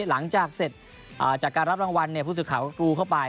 หลังจากเสร็จจากการรับรางวัลผู้สื่อข่าวกรูเข้าไป